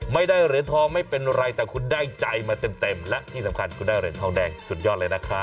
ไม่ได้เหรียญทองไม่เป็นไรแต่คุณได้ใจมาเต็มและที่สำคัญคุณได้เหรียญทองแดงสุดยอดเลยนะครับ